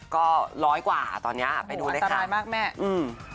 ก็ร้อยกว่าตอนนี้ไปดูด้วยค่ะอืมหัวอันตรายมากแม่